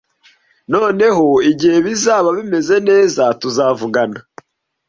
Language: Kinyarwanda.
Noneho igihe bizaba bimeze neza tuzavugana